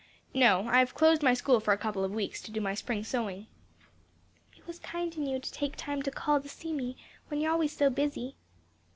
"No, I've closed my school for a couple of weeks to do my spring sewing." "It was kind in you to take time to call to see me when you are always so busy."